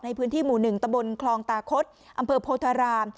ในพื้นที่หมู่๑ตะบนคลองตาคดอำเภอโพธาราม